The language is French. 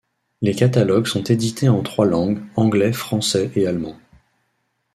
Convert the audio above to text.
Les catalogues sont édités en trois langues, anglais, français et allemand.